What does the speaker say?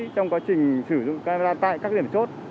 trong quá trình sử dụng camera tại các điểm chốt